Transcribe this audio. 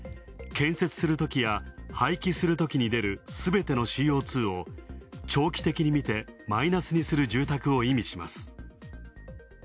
建設するときや、廃棄するときに出るすべてのＣＯ２を長期的に見て、マイナスにする住宅を意味します。